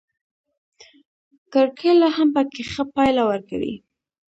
کرکېله هم پکې ښه پایله ورکوي.